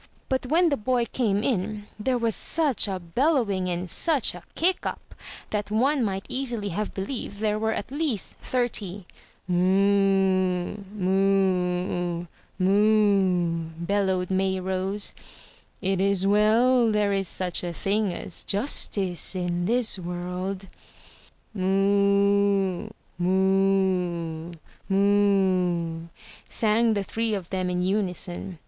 But when the boy came in, there was such a bellowing and such a kick up, that one might easily have believed there were at least thirty. "Moo, moo, moo," bellowed Mayrose. "It is well there is such a thing as justice in this world." . "Moo, moo, moo," sang the three of them in unison.